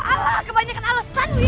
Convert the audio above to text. alah kebanyakan alasan wiyah